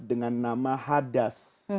dengan nama hadas